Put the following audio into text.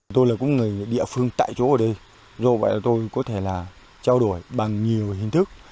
tôi là một người địa phương tại chỗ ở đây do vậy tôi có thể trao đổi bằng nhiều hình thức